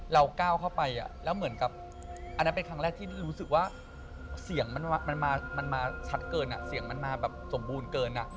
ก้าวเข้าไปแล้วเหมือนกับอันนั้นเป็นครั้งแรกที่รู้สึกว่าเสียงมันมาชัดเกินเสียงมันมาแบบสมบูรณ์เกิน